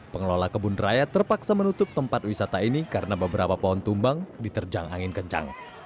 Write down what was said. pengelola kebun raya terpaksa menutup tempat wisata ini karena beberapa pohon tumbang diterjang angin kencang